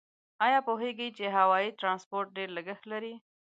آیا پوهیږئ چې هوایي ترانسپورت ډېر لګښت لري؟